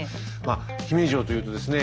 姫路城というとですね